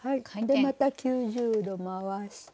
でまた９０度回して。